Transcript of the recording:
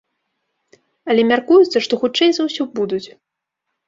Але мяркуецца, што хутчэй за ўсё будуць.